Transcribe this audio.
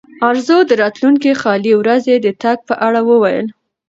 ارزو د راتلونکې خالي ورځې د تګ په اړه وویل.